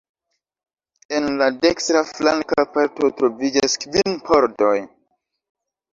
En la dekstra flanka parto troviĝas kvin pordoj.